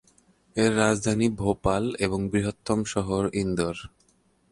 এর রাজধানী ভোপাল এবং বৃহত্তম শহর ইন্দোর।